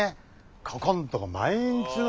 ここんとこ毎日の。